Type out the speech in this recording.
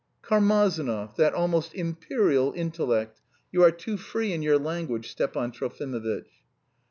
"Karmazinov, that almost imperial intellect. You are too free in your language, Stepan Trofimovitch."